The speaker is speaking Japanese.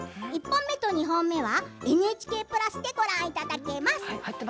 １本目と２本目はＮＨＫプラスでご覧いただけます。